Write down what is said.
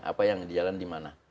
apa yang jalan di mana